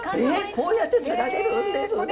こうやってつがれるんですね。